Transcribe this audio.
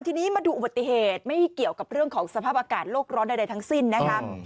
ทีนี้มาดูอุบัติเหตุไม่เกี่ยวกับเรื่องของสภาพอากาศโลกร้อนใดทั้งสิ้นนะครับ